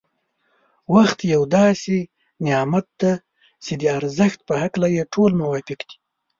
وخت یو داسې نعمت دی چي د ارزښت په هکله يې ټول موافق دی.